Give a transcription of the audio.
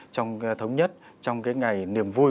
trong thống nhất trong cái ngày niềm vui